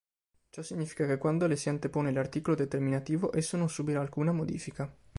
Ciò significa che quando le si antepone l'articolo determinativo esso non subirà alcuna modifica.